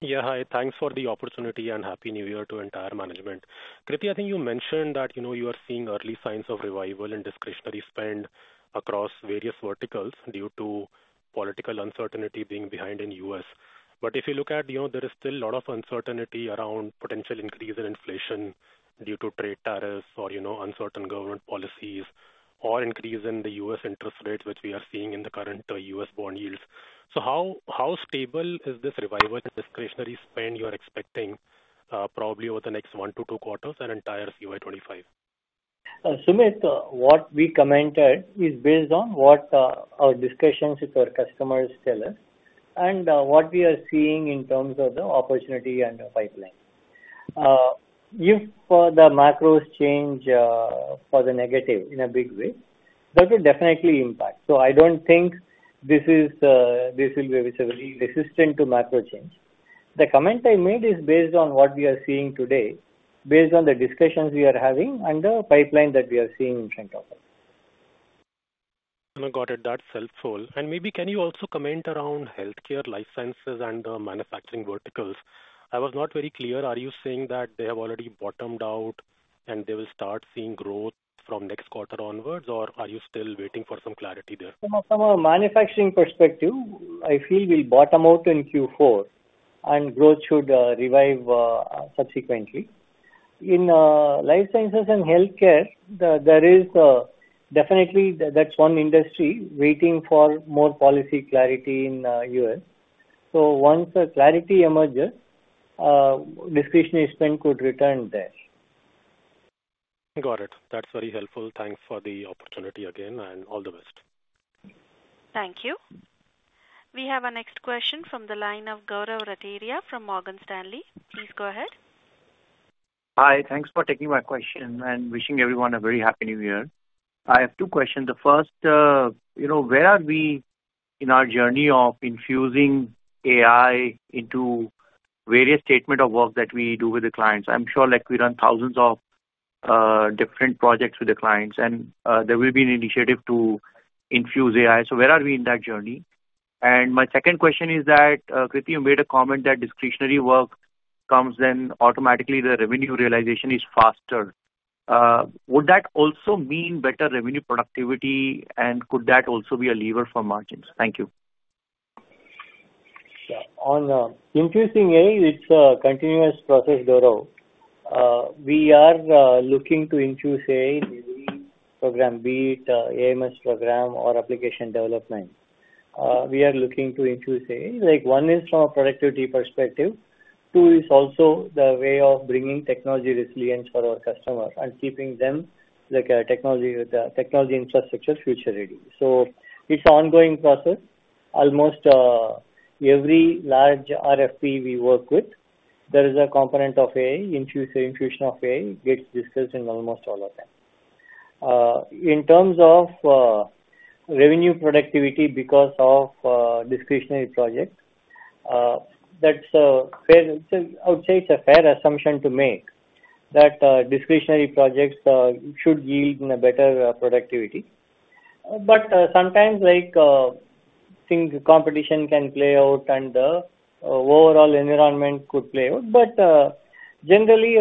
Yeah. Hi. Thanks for the opportunity and happy New Year to the entire management. Krithi, I think you mentioned that you are seeing early signs of revival in discretionary spend across various verticals due to political uncertainty being behind in the U.S. But if you look at there is still a lot of uncertainty around potential increase in inflation due to trade tariffs or uncertain government policies or increase in the U.S., interest rates, which we are seeing in the current U.S., bond yields. So how stable is this revival in discretionary spend you are expecting probably over the next one to two quarters and entire CY25? Sumit, what we commented is based on what our discussions with our customers tell us and what we are seeing in terms of the opportunity and the pipeline. If the macros change for the negative in a big way, that will definitely impact. So I don't think this will be resistant to macro change. The comment I made is based on what we are seeing today, based on the discussions we are having and the pipeline that we are seeing in front of us. Got it. That's helpful. And maybe can you also comment around healthcare, life sciences, and manufacturing verticals? I was not very clear. Are you saying that they have already bottomed out and they will start seeing growth from next quarter onwards, or are you still waiting for some clarity there? From a manufacturing perspective, I feel we'll bottom out in Q4, and growth should revive subsequently. In life sciences and healthcare, there is definitely that one industry waiting for more policy clarity in the U.S. So once the clarity emerges, discretionary spend could return there. Got it. That's very helpful. Thanks for the opportunity again and all the best. Thank you. We have our next question from the line of Gaurav Rateria from Morgan Stanley. Please go ahead. Hi. Thanks for taking my question and wishing everyone a very happy New Year. I have two questions. The first, where are we in our journey of infusing AI into various statements of work that we do with the clients? I'm sure we run thousands of different projects with the clients, and there will be an initiative to infuse AI. So where are we in that journey? And my second question is that, Krithivasan, you made a comment that discretionary work comes then automatically the revenue realization is faster. Would that also mean better revenue productivity, and could that also be a lever for margins? Thank you. Yeah. On the infusing AI, it's a continuous process, Gaurav. We are looking to infuse AI in every program, be it AMS program or application development. We are looking to infuse AI. One is from a productivity perspective. Two is also the way of bringing technology resilience for our customers and keeping them like a technology infrastructure future-ready. So it's an ongoing process. Almost every large RFP we work with, there is a component of AI. Infusion of AI gets discussed in almost all of them. In terms of revenue productivity because of discretionary projects, I would say it's a fair assumption to make that discretionary projects should yield in a better productivity. But sometimes things competition can play out and the overall environment could play out. But generally,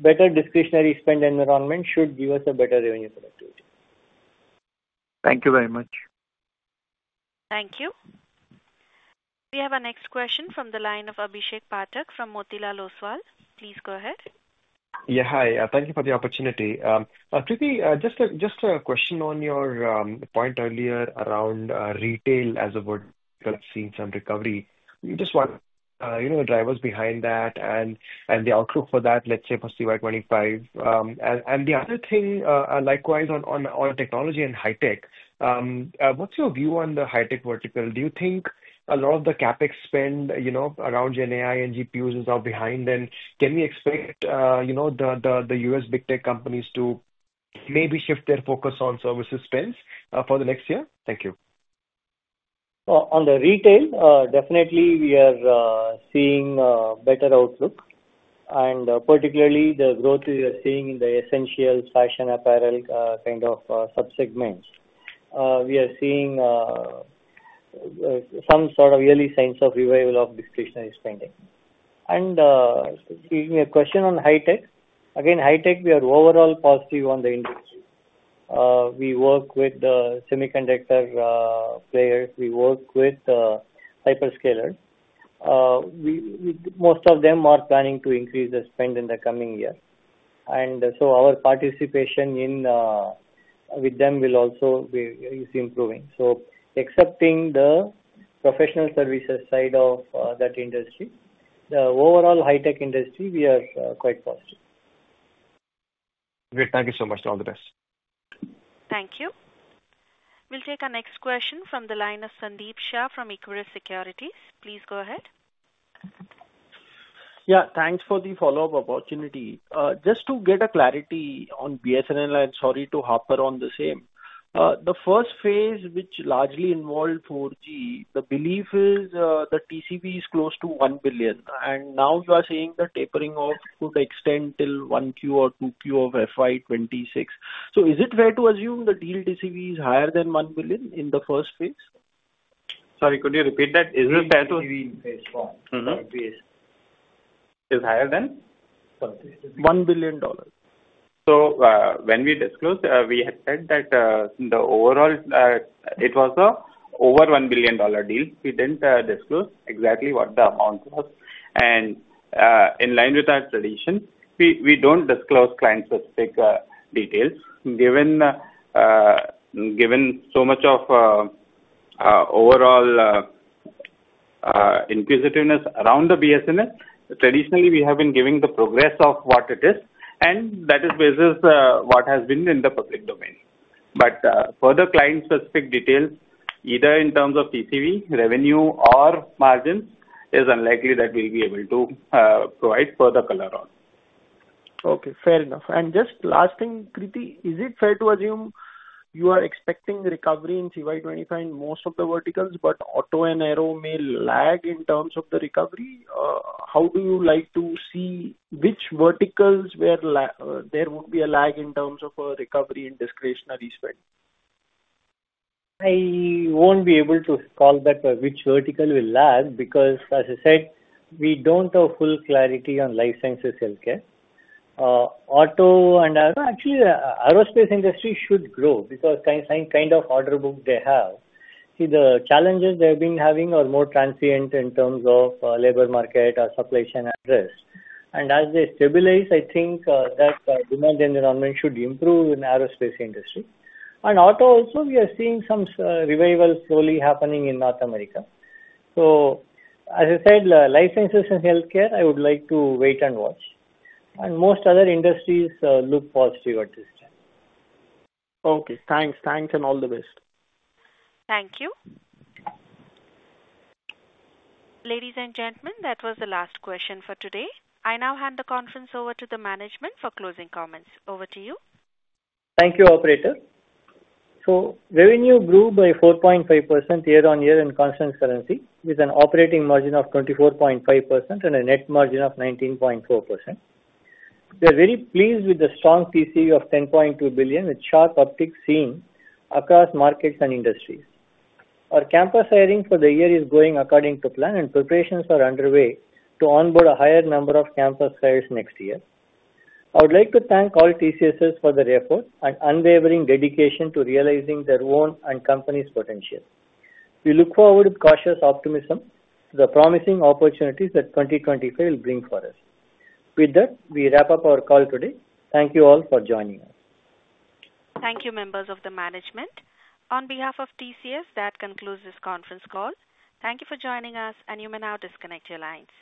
better discretionary spend environment should give us a better revenue productivity. Thank you very much. Thank you. We have our next question from the line of Abhishek Pathak from Motilal Oswal. Please go ahead. Yeah. Hi. Thank you for the opportunity. Krithivasan, just a question on your point earlier around retail as a vertical seeing some recovery. Just what drivers behind that and the outlook for that, let's say, for CY25? And the other thing, likewise on technology and high-tech, what's your view on the high-tech vertical? Do you think a lot of the CapEx spend around Gen AI and GPUs is now behind? And can we expect the U.S., big tech companies to maybe shift their focus on services spends for the next year? Thank you. On the retail, definitely we are seeing a better outlook, and particularly, the growth we are seeing in the essentials, fashion, apparel kind of subsegments, we are seeing some sort of early signs of revival of discretionary spending, and given the question on high-tech. Again, high-tech, we are overall positive on the industry. We work with semiconductor players. We work with hyperscalers. Most of them are planning to increase the spend in the coming year, and so our participation with them will also be improving, excepting the professional services side of that industry, the overall high-tech industry, we are quite positive. Great. Thank you so much. All the best. Thank you. We'll take our next question from the line of Sandeep Shah from Equirus Securities. Please go ahead. Yeah. Thanks for the follow-up opportunity. Just to get clarity on BSNL, and sorry to hop on the same. The first phase, which largely involved 4G, the belief is the TCV is close to $1 billion. And now you are saying the tapering off could extend till 1Q or 2Q of FY26. So is it fair to assume the deal TCV is higher than $1 billion in the first phase? Sorry, could you repeat that? Is it fair to assume it's higher than? $1 billion. So when we disclosed, we had said that the overall, it was an over $1 billion deal. We didn't disclose exactly what the amount was. And in line with our tradition, we don't disclose client-specific details. Given so much of overall inquisitiveness around the BSNL, traditionally, we have been giving the progress of what it is. And that is what has been in the public domain. But further client-specific details, either in terms of TCV, revenue, or margins, it is unlikely that we'll be able to provide further color on. Okay. Fair enough. And just last thing, Krithi, is it fair to assume you are expecting recovery in CY25 in most of the verticals, but Auto and Aero may lag in terms of the recovery? How do you like to see which verticals there would be a lag in terms of recovery in discretionary spend? I won't be able to call out which vertical will lag because, as I said, we don't have full clarity on life sciences, healthcare. Auto and actually, the aerospace industry should grow because of the order book they have. The challenges they have been having are more transient in terms of labor market or supply chain issues. And as they stabilize, I think that demand and environment should improve in the aerospace industry. And Auto also, we are seeing some revival slowly happening in North America. So, as I said, life sciences and healthcare, I would like to wait and watch. And most other industries look positive at this time. Okay. Thanks. Thanks and all the best. Thank you. Ladies and gentlemen, that was the last question for today. I now hand the conference over to the management for closing comments. Over to you. Thank you, Operator. So revenue grew by 4.5% year-on-year in constant currency with an operating margin of 24.5% and a net margin of 19.4%. We are very pleased with the strong TCV of $10.2 billion with sharp uptick seen across markets and industries. Our campus hiring for the year is going according to plan, and preparations are underway to onboard a higher number of campus hires next year. I would like to thank all TCSers for their effort and unwavering dedication to realizing their own and company's potential. We look forward with cautious optimism to the promising opportunities that 2025 will bring for us. With that, we wrap up our call today. Thank you all for joining us. Thank you, members of the management. On behalf of TCS, that concludes this conference call. Thank you for joining us, and you may now disconnect your lines.